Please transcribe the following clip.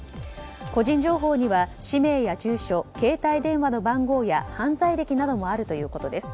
個人情報には氏名や住所携帯電話の番号や犯罪歴などもあるということです。